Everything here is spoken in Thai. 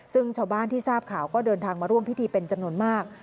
ซึ่งชาวบ้านที่ทราบข่าวก็เดินทางมาร่วมพิธีเป็นจำนวนมาก